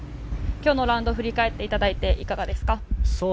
今日のラウンドを振り返って、いかがですか？